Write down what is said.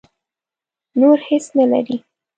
نور هېڅ نه لري.